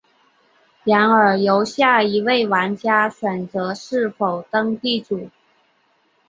然后由下一位玩家选择是否当地主。